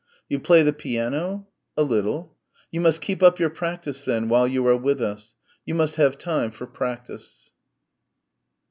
"You play the piano?" "A little." "You must keep up your practice then, while you are with us you must have time for practice."